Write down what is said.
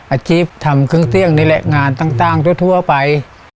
อาชีพทำเครื่องเตี้ยงนี่แหละงานต่างทั่วไป